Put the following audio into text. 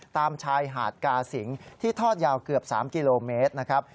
ตามชายหาดกาสิงที่ทอดยาวเกือบ๓กิโลเมตรนะครับ